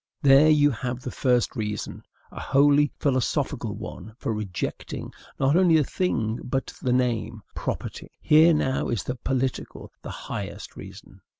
There you have the first reason a wholly philosophical one for rejecting not only the thing, but the name, property. Here now is the political, the highest reason.